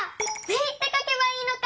「０」ってかけばいいのか！